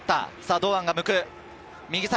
堂安が前を向く。